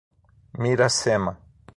Miracema